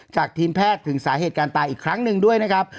ทีมแพทย์ถึงสาเหตุการณ์ตายอีกครั้งหนึ่งด้วยนะครับ